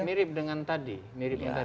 ini mirip dengan tadi